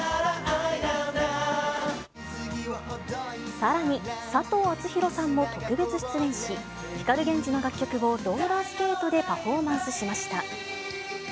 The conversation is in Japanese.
さらに、佐藤アツヒロさんも特別出演し、光ＧＥＮＪＩの楽曲をローラースケートでパフォーマンスしました。